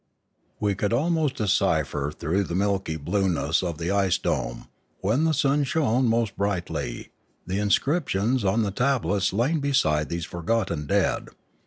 We could almost decipher through the milky blueness of the ice dome, when the sun shone most brightly, the inscriptions on the tablets lying beside these forgotten dead.